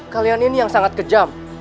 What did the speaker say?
kalian ini yang sangat kejam